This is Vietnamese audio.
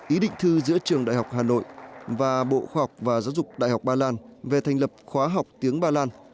ý định thư giữa trường đại học hà nội và bộ khoa học và giáo dục đại học ba lan về thành lập khóa học tiếng ba lan